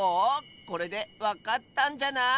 これでわかったんじゃない？